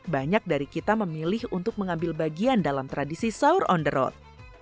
banyak dari kita memilih untuk mengambil bagian dalam tradisi sahur on the road